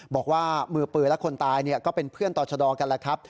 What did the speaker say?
บอกว่ามือปืนและคนตายก็เป็นเพื่อนต่อชะดอกกันแหละครับ